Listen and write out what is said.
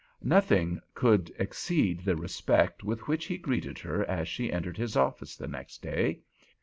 Nothing could exceed the respect with which he greeted her as she entered his office the next day.